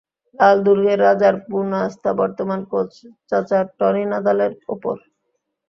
লাল দুর্গের রাজার পূর্ণ আস্থা বর্তমান কোচ চাচা টনি নাদালের ওপর।